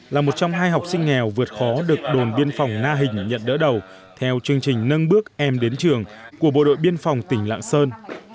là một trong hai học sinh nghèo vượt khó được đồn biên phòng na hình nhận đỡ đầu theo chương trình nâng bước em đến trường của bộ đội biên phòng tỉnh lạng sơn